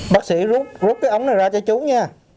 bác sĩ rút rút cái ống này ra cho chú nha